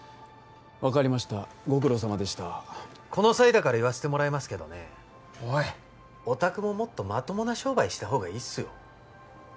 分かりましたご苦労さまでしたこの際だから言わせてもらいますけどねおいっおたくももっとまともな商売した方がいいっすよ